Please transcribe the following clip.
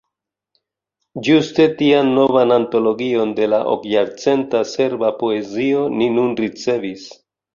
Ĝuste tian novan antologion, de la okjarcenta serba poezio, ni nun ricevis.